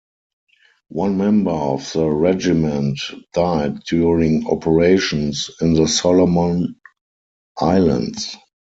One member of the regiment died during operations in the Solomon Islands.